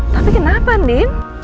tapi kenapa andin